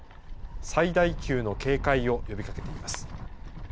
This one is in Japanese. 最大級の警戒を呼びかけています。